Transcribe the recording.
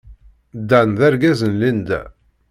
Dan d argaz n Linda.